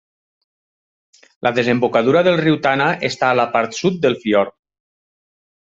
La desembocadura del riu Tana està a la part sud del fiord.